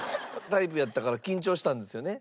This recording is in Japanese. タイプやったから緊張したんですよね。